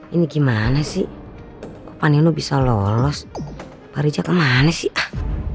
ini gimana sih panenu bisa lolos parijak kemana sih